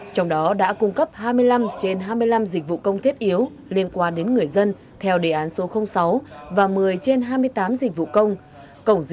trong đó đã cung cấp hai mươi năm trên hai mươi năm dịch vụ công thiết yếu liên quan đến người dân theo đề án số sáu và một mươi trên hai mươi tám dịch vụ công